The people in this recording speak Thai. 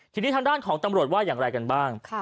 ทีนี้ทางด้านของตำรวจว่าอย่างไรกันบ้าง